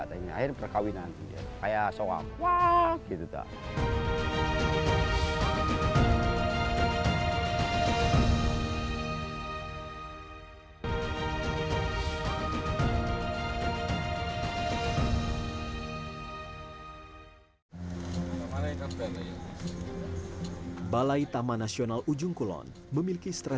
jika dia ingin berkahwinan dia harus komentasi